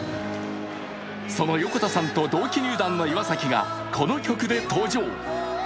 その横田さんと同期入団の岩崎がこの曲で登場。